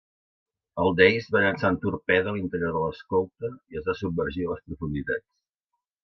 El "Dace" va llançar un torpede a l"interior de l"escolta i es va submergir a les profunditats.